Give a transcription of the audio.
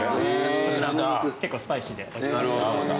こちら結構スパイシーでおいしくなっております。